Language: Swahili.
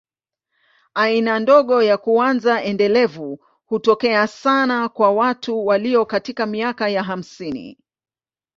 Aina ndogo ya kwanza endelevu hutokea sana kwa watu walio katika miaka ya hamsini.